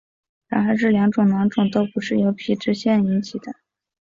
然而这两种囊肿都不是由皮脂腺引起的。